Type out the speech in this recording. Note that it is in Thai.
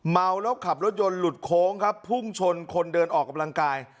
เมาแล้วขับรถยนต์หลุดโค้งครับพุ่งชนคนเดินออกกำลังกาย